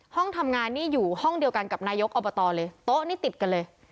ห้องทำงานนี่อยู่ห้องเดียวกันกับนายกอบตเลยโต๊ะนี่ติดกันเลย